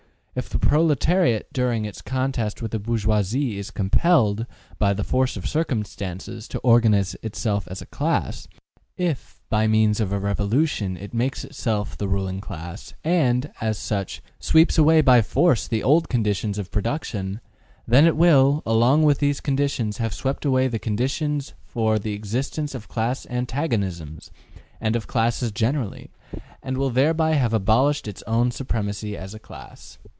If the proletariat during its contest with the bourgeoisie is compelled, by the force of circumstances, to organize itself as a class, if, by means of a revolution, it makes itself the ruling class, and, as such, sweeps away by force the old conditions of production, then it will, along with these conditions, have swept away the conditions for the existence of class antagonisms, and of classes generally, and will thereby have abolished its own supremacy as a class.